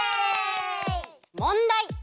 もんだい！